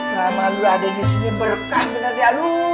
sama lo ada disini berkah bener ya lo